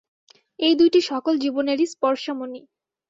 এই দুইটি সকল জীবনেরই স্পর্শমণি।